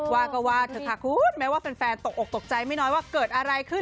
ว่าก็ว่าเธอถักหู้ดแม้ว่าเป็นแฟนตกอกตกใจไม่น้อยว่าเกิดอะไรขึ้น